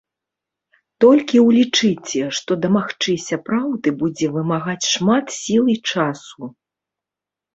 Толькі ўлічыце, што дамагчыся праўды будзе вымагаць шмат сіл і часу.